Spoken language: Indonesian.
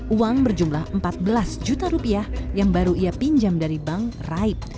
uang berjumlah empat belas juta rupiah yang baru ia pinjam dari bank raib